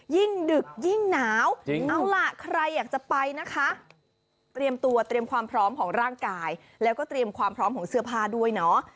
ดึกยิ่งหนาวเอาล่ะใครอยากจะไปนะคะเตรียมตัวเตรียมความพร้อมของร่างกายแล้วก็เตรียมความพร้อมของเสื้อผ้าด้วยเนาะ